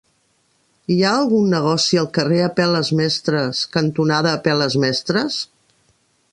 Hi ha algun negoci al carrer Apel·les Mestres cantonada Apel·les Mestres?